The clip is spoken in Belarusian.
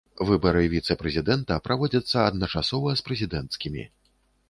Выбары віцэ-прэзідэнта праводзяцца адначасова з прэзідэнцкімі.